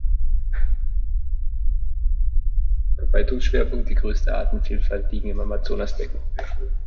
Verbreitungsschwerpunkt die größte Artenvielfalt liegen im Amazonasbecken.